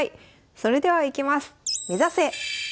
それではいきます。